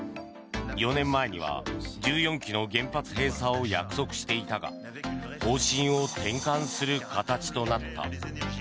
４年前には１４基の原発閉鎖を約束していたが方針を転換する形となった。